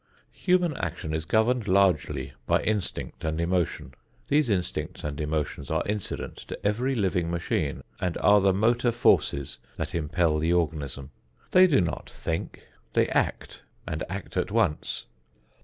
Human action is governed largely by instinct and emotion. These instincts and emotions are incident to every living machine and are the motor forces that impel the organism. They do not think. They act, and act at once.